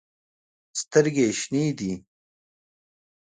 سترګې ېې شنې دي